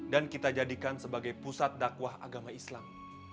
kita jadikan sebagai pusat dakwah agama islam